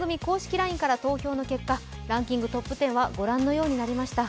ＬＩＮＥから投票の結果、トップ１０はご覧のようになりました。